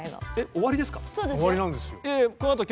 終わりなんですよ。